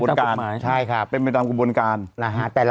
ยังไงยังไงยังไงยังไง